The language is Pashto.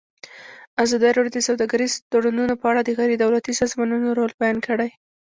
ازادي راډیو د سوداګریز تړونونه په اړه د غیر دولتي سازمانونو رول بیان کړی.